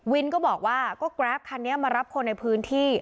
ก็บอกว่าก็แกรปคันนี้มารับคนในพื้นที่